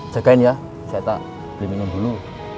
jagain ya saya tak beli minum dulu